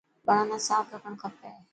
ٻاڙان نا ساف رکڻ کپي.